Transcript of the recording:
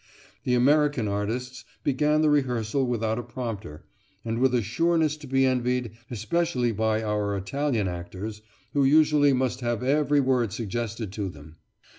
The American artists began the rehearsal without a prompter, and with a sureness to be envied especially by our Italian actors, who usually must have every word suggested to them.